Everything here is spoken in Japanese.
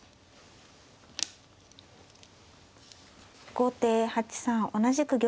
後手８三同じく玉。